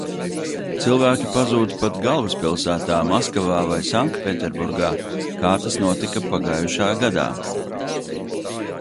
Cilvēki pazūd pat galvaspilsētā Maskavā vai Sanktpēterburgā, kā tas notika pagājušajā gadā.